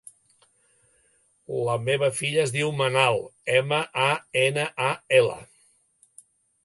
La meva filla es diu Manal: ema, a, ena, a, ela.